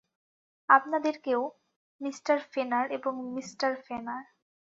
আপনাদেরকেও, Mister Fenner এবং Mister ফেনার।